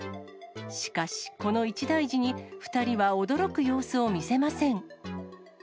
しかし、この一大事に２人は驚く様子を見せません。